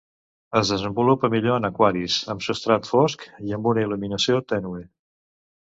Es desenvolupa millor en aquaris amb substrat fosc i amb una il·luminació tènue.